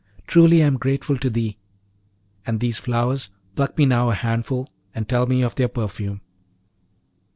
Truly I am grateful to thee! And these flowers, pluck me now a handful, and tell me of their perfume.'